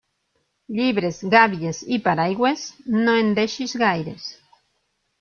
Llibres, gàbies i paraigües, no en deixis gaires.